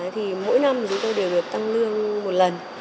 thì mỗi năm chúng tôi đều được tăng lương một lần